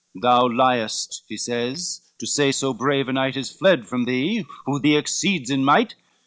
"Thou liest," he says, "to say so brave a knight Is fled from thee, who thee exceeds in might."